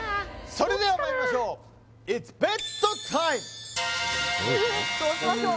それではまいりましょうどうしましょう？